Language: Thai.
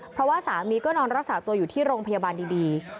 เพราะว่าสามีก็นอนรักษาตัวอยู่ที่โรงพยาบาลดี